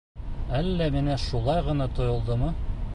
Әллә миңә шулай ғына тойолдомо.